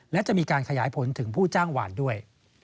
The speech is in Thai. และจะมีการขยายผลถึงผู้จ้างหวานด้วย